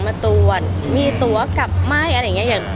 มาตรวจมีตัวกลับไหม้อะไรอย่างเงี้อย่าง